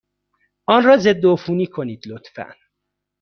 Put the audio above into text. آن را ضدعفونی کنید، لطفا.